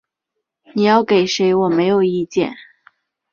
你要给谁我没有意见